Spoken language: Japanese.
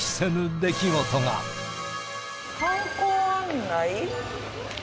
観光案内。